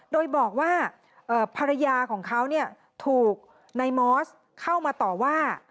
โดยบอกว่าภรรยาของเขาถูกนายมอสเข้ามาต่อว่า